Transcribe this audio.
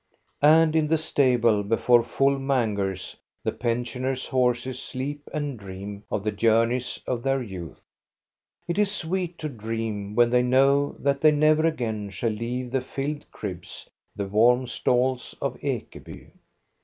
And in the stable before full mangers the pension ers' horses sleep and dream of the journeys of their youth. It is sweet to dream when they know that they never again shall leave the filled cribs, the warm stalls of Ekeby.